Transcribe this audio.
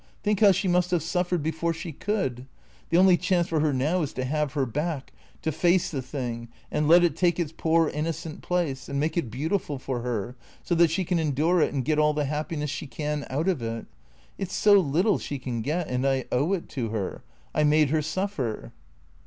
Think how she must have suffered before she could. The only chance for her now is to have her back, to face the thing, and let it take its poor innocent place, and make it beautiful for her, so that she can endure it and get all the happiness she can out of it. It 's so little she can get, and I owe it to her. I made her suffer."